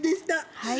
はい。